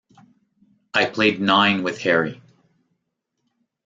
I played nine with Harry.